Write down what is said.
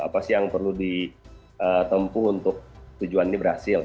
apa sih yang perlu ditempu untuk tujuan ini berhasil